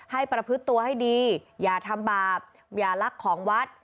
ประพฤติตัวให้ดีอย่าทำบาปอย่ารักของวัด